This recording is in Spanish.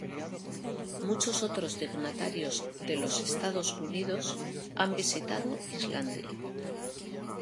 Muchos otros dignatarios de los Estados Unidos han visitado Islandia.